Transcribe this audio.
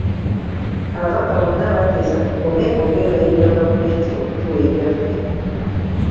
Ababaka bonna baateesa tukome okwegayirira gavumenti okutuwa ebyaffe.